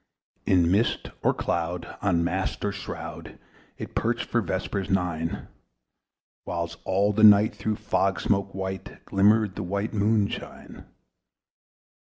In mist or cloud, on mast or shroud, It perched for vespers nine; Whiles all the night, through fog smoke white, Glimmered the white Moon shine.